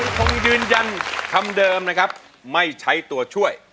คงยืนยันคำเดิมนะครับไม่ใช้ตัวช่วย